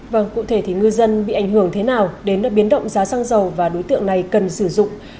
vâng cụ thể thì ngư dân bị ảnh hưởng thế nào đến biến động giá xăng dầu và đối tượng này cần sử dụng